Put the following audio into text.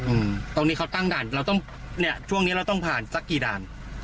อืมตรงนี้เขาตั้งด่านเราต้องเนี้ยช่วงเนี้ยเราต้องผ่านสักกี่ด่าน